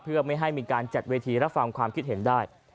เพื่อไม่ให้มีการจัดเวทีรับฟังความคิดเห็นได้